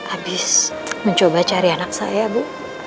abis mencoba cari anak saya bu